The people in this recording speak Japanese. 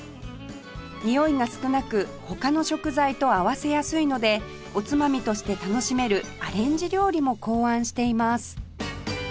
においが少なく他の食材と合わせやすいのでおつまみとして楽しめるアレンジ料理も考案しています